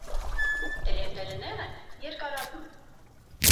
Տերևները նեղ են, երկարավուն։